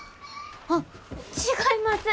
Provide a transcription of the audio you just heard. あっ違います！